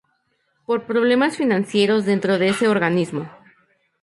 Por problemas financieros dentro de ese organismo.